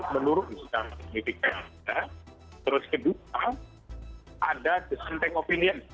menurut misalnya terus kedua ada desenteng opinian